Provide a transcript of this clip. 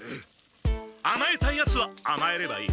あまえたいヤツはあまえればいい。